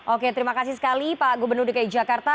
oke terima kasih sekali pak gubernur dki jakarta